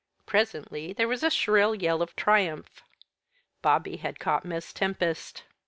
Presently there was a shrill yell of triumph. Bobby had caught Miss Tempest.